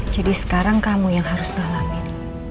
jadi sekarang kamu yang harus ngalamin